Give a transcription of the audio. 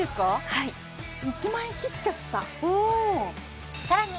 はい１万円切っちゃった